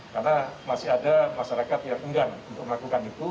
karena masih ada masyarakat yang enggan untuk melakukan itu